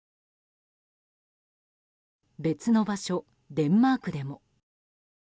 別の場所、デンマークでも。